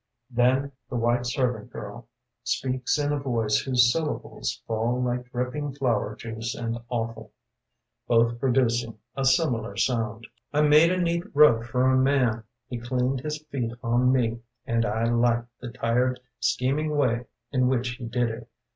Then the white servant girl Speaks in a voice whose syllables Fall like dripping flower juice and offal, Both producing a similar sound. " I made a neat rug for a man. He cleaned his feet on me and I liked The tired, scheming way in which he did it.